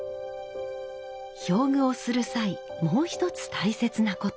表具をする際もう一つ大切なこと。